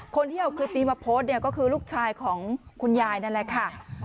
คนที่เอาคลิปนี้มาโพสต์เนี่ยก็คือลูกชายของคุณยายนั่นแหละค่ะ